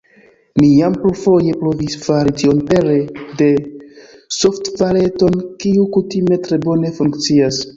Mi jam plurfoje provis fari tion pere de softvareton, kiu kutime tre bone funkcias.